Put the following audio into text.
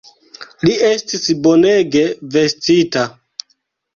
Li estis bonege vestita!